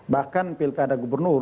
bahkan pilkada gubernur